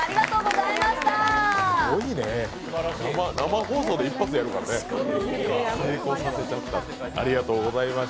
生放送で一発でやるからね、成功させちゃった。